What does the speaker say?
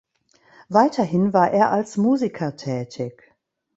Weiterhin war er als Musiker tätig.